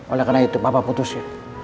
oleh karena itu papa putusnya